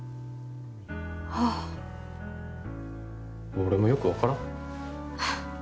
ああ俺もよく分からん